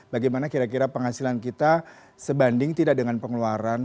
bagaimana kira kira penghasilan kita sebanding tidak dengan pengeluaran